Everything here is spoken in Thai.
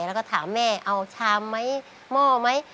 แล้วก็ถามแม่เอาชามไหมหม้อไหม